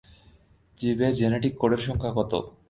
জীবের জেনেটিক কোডের সংখ্যা কত?